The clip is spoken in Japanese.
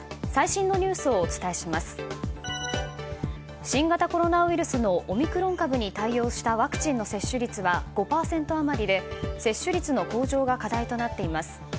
新型コロナウイルスのオミクロン株に対応したワクチンの接種率は５％あまりで接種率の向上が課題となっています。